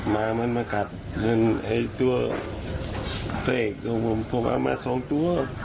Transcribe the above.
มามันมากัดให้ตัวเตรกตัวผมผมเอามาสองตัว